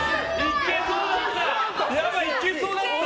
いけそうだった！